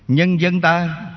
nhân dân ta